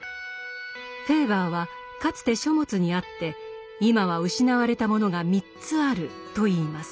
フェーバーはかつて書物にあって今は失われたものが３つあると言います。